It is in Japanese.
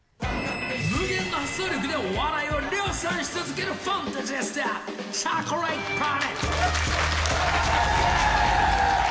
無限の発想力でお笑いを量産し続けるファンタジスタチョコレートプラネット。